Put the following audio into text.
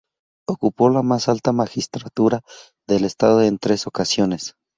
Ocupó la más alta magistratura del Estado en tres ocasiones.